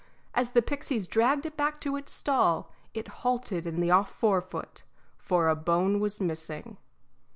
as the pixies dragged it back to its stall, it halted in the off forefoot, for a bone was missing.